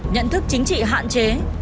nhận thức chính trị hạn chế